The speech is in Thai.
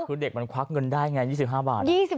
คือเด็กมันควักเงินได้ไง๒๕บาท